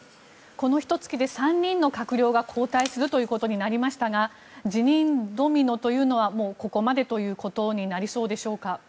このひと月で３人の閣僚が交代することになりましたが辞任ドミノというのはここまでということになりそうでしょうか？